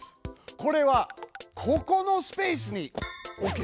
これはここのスペースに置けます。